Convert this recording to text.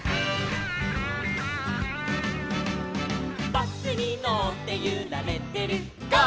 「バスにのってゆられてる「ゴー！ゴー！」